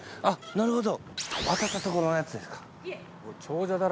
なるほど。